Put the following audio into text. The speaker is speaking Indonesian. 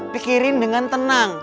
pikirin dengan tenang